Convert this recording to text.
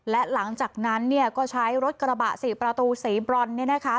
และหลังจากนั้นเนี่ยก็ใช้รถกระบะ๔ประตูสีบรอนเนี่ยนะคะ